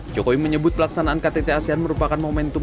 jokowi menyebut pelaksanaan ktt asean merupakan momentum